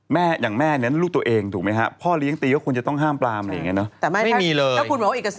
ไม่เด็กตัวแค่นี้ทั้งหมด